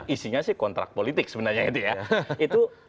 isinya sih kontrak politik sebenarnya itu ya